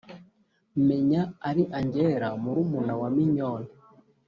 menya ari angela murumuna wa minyone